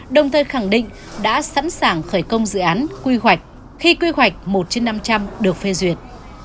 đồng thời khẳng định đã sẵn sàng khởi công dự án quy hoạch khi quy hoạch một trên năm trăm linh được phê duyệt